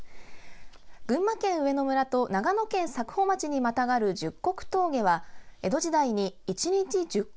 群馬県上野村と長野県佐久穂町にまたがる十石峠は江戸時代に１日十石